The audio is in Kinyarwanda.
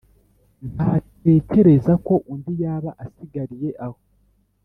ntatekereza ko undi yaba asigariye aho.